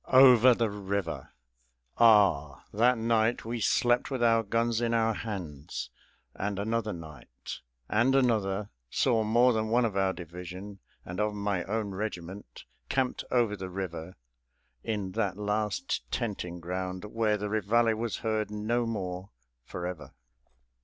"Over the river!" Ah, that night we slept with our guns in our hands, and another night, and another, saw more than one of our division, and of my own regiment, camped over the river in that last tenting ground where the réveille was heard no more forever.